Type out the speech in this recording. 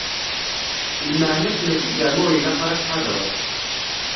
Lmeεna-s mačči zeεma ur ilaq ara ad tḥadreḍ.